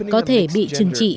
có thể bị trừng trị